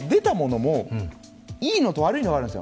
いいのと悪いのがあるんですよ。